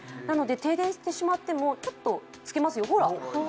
なので停電してしまっても、ちょっとつけますよ、ほら。